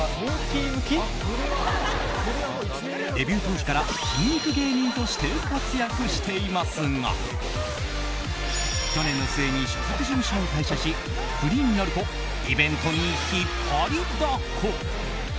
デビュー当時から筋肉芸人として活躍していますが去年の末に所属事務所を退社しフリーになるとイベントに引っ張りだこ。